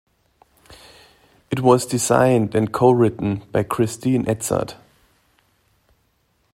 It was designed and co-written by Christine Edzard.